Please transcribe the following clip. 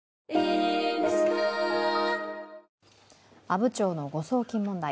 阿武町の誤送金問題。